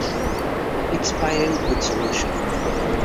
Its painted with solution.